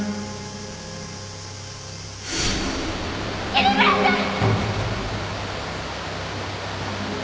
桐村さん！